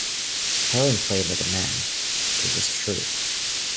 Helen played like a man, it was true.